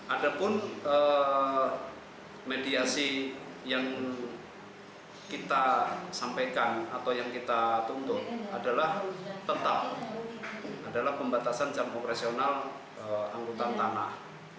ada pun mediasi yang kita sampaikan atau yang kita tuntut adalah tetap adalah pembatasan jam operasional angkutan tanah